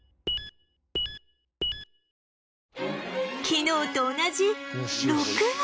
昨日と同じ６羽